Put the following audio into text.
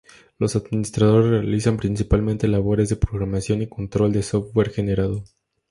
Los administradores realizan principalmente labores de programación y control del software generado.